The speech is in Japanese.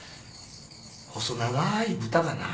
細長いブタかな。